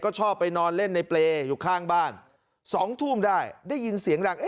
ก็ชอบไปนอนเล่นในเปรย์อยู่ข้างบ้าน๒ทุ่มได้ได้ยินเสียงดัง